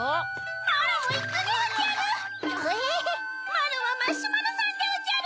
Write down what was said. まろはマシュマロさんでおじゃる。